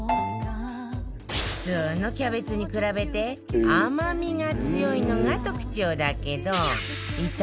普通のキャベツに比べて甘みが強いのが特徴だけど一体